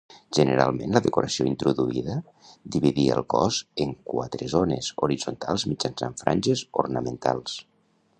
Generalment, la decoració introduïda dividia el cos en quatre zones horitzontals mitjançant franges ornamentals.